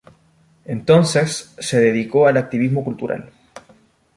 Entonces se dedicó al activismo cultural.